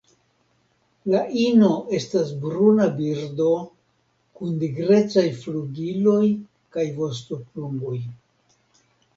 La ino estas bruna birdo kun nigrecaj flugiloj kaj vostoplumoj.